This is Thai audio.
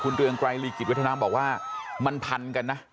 คุณเตือนกรายลีกิจวิทยานามบอกว่ามันพันกันนะ